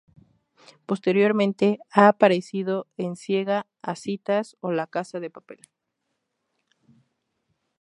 Posteriormente ha aparecido en "Ciega a Citas" o "La casa de papel".